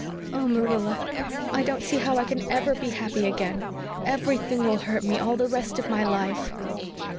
Oh, Marilla, I don't see how I can EVER be happy again EVERYTHING will hurt me all the rest of my life."